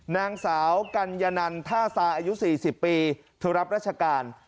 นางสาวกัญญนันท่าทรายอายุ๔๐ปีเธอรับราชการ